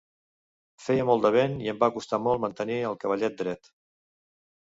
Feia molt de vent i em va costar molt mantenir el cavallet dret.